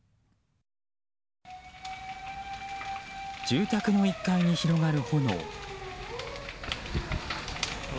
住宅の１階に広がる炎。